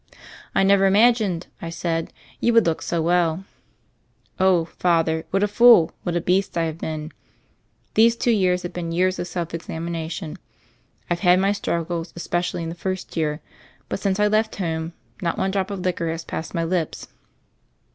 "I never imagmed," I said, "you could look so well." "Oh, Father, what a fool, what a beast I have been I These two years have been years of self examination. I've had my struggles, especially in the first year, but since I left home not one drop of liquor has passed my lips."